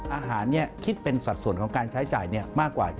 อาหารคิดเป็นสัดส่วนของการใช้จ่ายมากกว่า